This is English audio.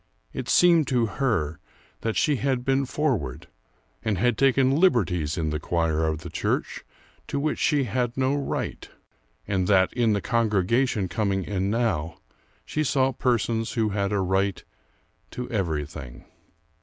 It seemed to her that she had been forward, and had taken liberties in the choir of the church to which she had no right; and that in the congregation coming in now, she saw persons who had a right to everything.